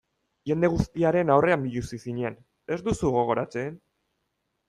Jende guztiaren aurrean biluzi zinen, ez duzu gogoratzen?